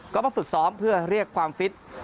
ก็มาฝึกซ้อมเพื่อเรียกความฟิต